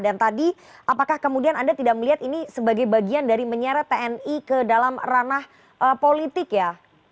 dan tadi apakah kemudian anda tidak melihat ini sebagai bagian dari menyerah tni ke dalam ranah politik ya